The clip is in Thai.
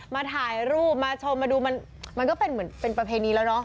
มาถ่ายรูปมาชมมาดูมันก็เป็นประเภทนี้แล้วเนอะ